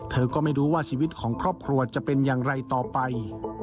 เธอก็ไม่รู้ว่าชีวิตของครอบครัวจะเป็นอย่างไรต่อไป